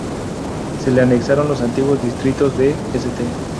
Se le anexaron los antiguos distritos de St.